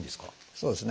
そうですね。